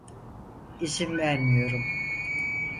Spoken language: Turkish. İzin vermiyorum.